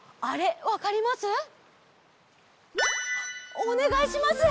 おねがいします。